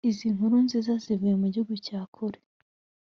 izi nkuru nziza zivuye mu gihugu cya kure